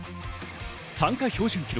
参加標準記録